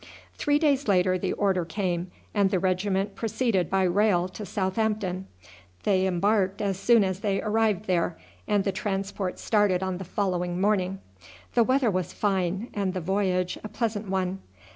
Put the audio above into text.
Three days later the order came, and the regiment proceeded by rail to Southampton; they embarked as soon as they arrived there, and the transport started on the following morning. The weather was fine, and the voyage a pleasant one.